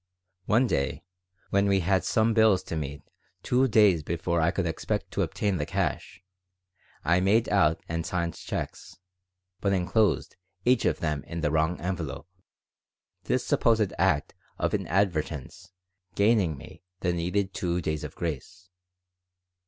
One day, when we had some bills to meet two days before I could expect to obtain the cash, I made out and signed checks, but inclosed each of them in the wrong envelope this supposed act of inadvertence gaining me the needed two days of grace.